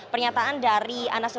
dan tadi menggarisbawahi